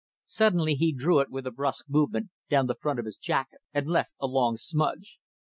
Suddenly he drew it, with a brusque movement, down the front of his jacket and left a long smudge.